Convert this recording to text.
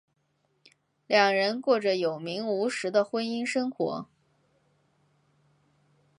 两人过着有名无实的婚姻生活。